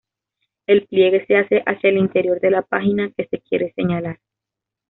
El pliegue se hace hacia el interior de la página que se quiere señalar.